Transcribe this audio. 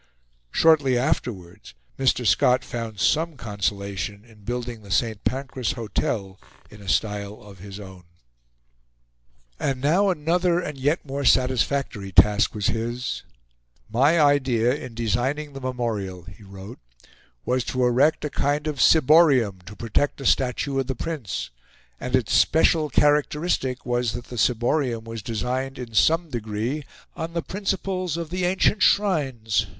Shortly afterwards Mr. Scott found some consolation in building the St. Pancras Hotel in a style of his own. And now another and yet more satisfactory task was his. "My idea in designing the Memorial," he wrote, "was to erect a kind of ciborium to protect a statue of the Prince; and its special characteristic was that the ciborium was designed in some degree on the principles of the ancient shrines.